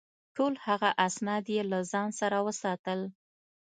ټول هغه اسناد یې له ځان سره وساتل.